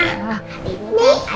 dan juga acara padang stay